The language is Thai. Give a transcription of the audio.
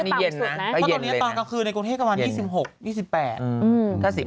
เพราะตอนนี้ตอนกลางคืนในกรุงเทพประมาณ๒๖๒๘